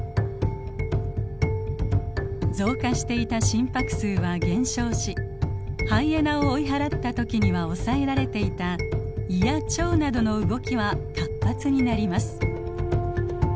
増加していた心拍数は減少しハイエナを追い払ったときには抑えられていた胃や腸などの動きは活発になります。